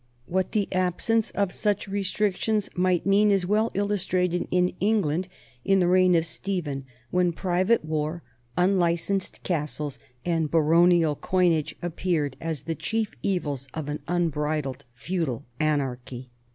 What the absence of such restrictions might mean is well illustrated in England in the reign of Stephen, when private war, unlicensed castles, and baronial coinage appeared as the chief evils of an unbridled feudal anarchy.